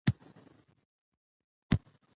ازادي راډیو د د ښځو حقونه د اغیزو په اړه مقالو لیکلي.